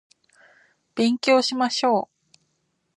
勉強しましょう